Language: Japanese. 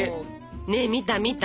ねえ見た見た？